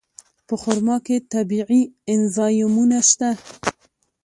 په خرما کې طبیعي انزایمونه شته.